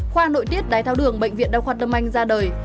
khoa nội tiết đáy tháo đường bệnh viện đào khoa tâm anh ra đời